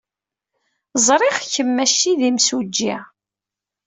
Ẓriɣ kemm maci d imsujji.